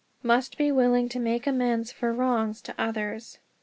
Must be willing to make amends for wrongs to others.